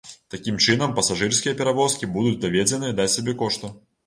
Такім чынам пасажырскія перавозкі будуць даведзеныя да сабекошту.